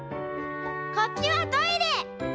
こっちはトイレ！」。